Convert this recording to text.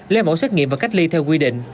lấy mẫu xét nghiệm và cách ly theo quy định